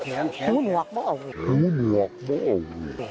แถมมีอยู่อีกต่างหากแถมมีสรุปอีกต่างหาก